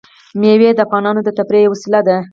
مېوې د افغانانو د تفریح یوه وسیله ده.